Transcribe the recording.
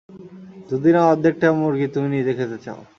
যদি না অর্ধেকটা মুরগি তুমি নিজে খেতে চাও।